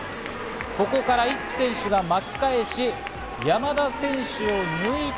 ここからイップ選手が巻き返し、山田選手を抜いて